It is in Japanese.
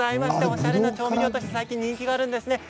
おしゃれな調味料として最近人気があるんですね。